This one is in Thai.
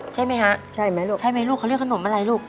ใช่ไหมฮะใช่ไหมลูกใช่ไหมลูกเขาเรียกขนมอะไรลูก